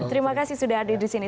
terima kasih sudah hadir di sini